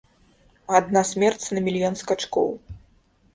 Адна смерць на мільён скачкоў.